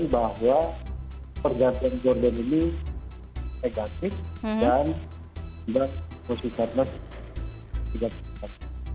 bahwa pergantian gordon ini negatif dan juga posisi karnas tidak berhasil